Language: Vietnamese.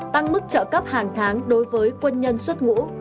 tăng mức trợ cấp hàng tháng đối với quân nhân xuất ngũ